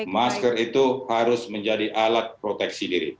masker itu harus menjadi alat proteksi diri